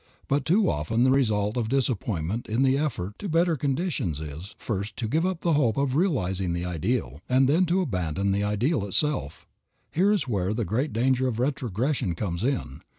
But too often the result of disappointment in the effort to better conditions is, first, to give up the hope of realizing the ideal, and then to abandon the ideal itself. Here is where the great danger of retrogression comes in.